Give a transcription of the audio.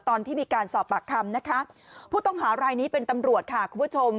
ตอนที่มีการสอบปากคำนะคะผู้ต้องหารายนี้เป็นตำรวจค่ะคุณผู้ชม